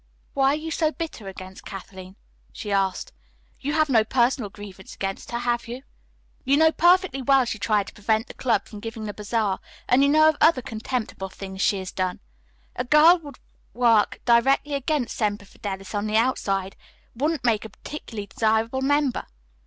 "Why are you so bitter against Kathleen?" she asked. "You have no personal grievance against her, have you?" "You know perfectly well that she tried to prevent the club from giving the bazaar, and you know of other contemptible things she has done. A girl who would work directly against Semper Fidelis on the outside, wouldn't make a particularly desirable member.